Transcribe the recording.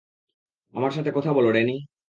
আমার সাথে কথা বলো, ড্যানি।